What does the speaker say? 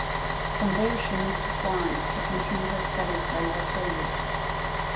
From there she moved to Florence to continue her studies for another four years.